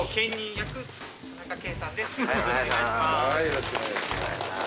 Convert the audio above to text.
よろしくお願いします。